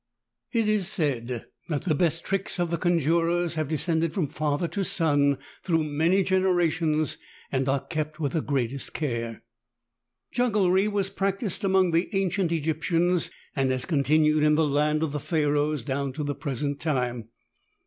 It is said that the best tricks of the conjurers have descended from father to son through many generations and are kept with the greatest care. Jugglery was practiced among the ancient Egyptians, and has continued in the land of the Pharoahs down to the present time.